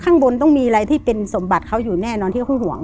ข้างบนต้องมีอะไรที่เป็นสมบัติเขาอยู่แน่นอนที่เขาคงห่วง